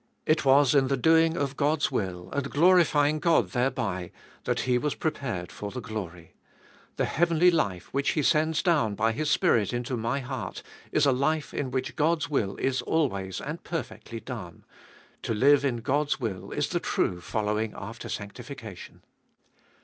It was in the doing of God's will, and glorifying God thereby, that He was prepared for the glory ; the heavenly life, which He sends down by His Spirit into my heart, is a life in which God's will is always and perfectly done ; to live in God's will is the true following after sanctification.